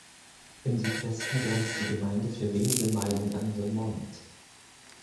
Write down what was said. Im Südwesten grenzt die Gemeinde für wenige Meilen an Vermont.